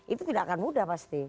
itu tidak akan mudah pasti